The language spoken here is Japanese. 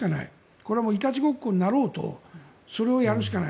これはいたちごっこになろうとそれをやるしかない。